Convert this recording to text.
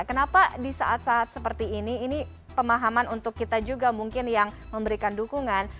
kenapa di saat saat seperti ini ini pemahaman untuk kita juga mungkin yang memberikan dukungan